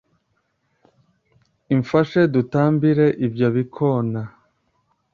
imfashe dutambire ibyo bikona